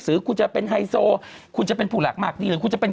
หรือคุณจะเป็นไฮโซคุณจะเป็นผู้หลักมากดีหรือคุณจะเป็น